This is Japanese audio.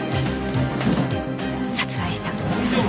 殺害した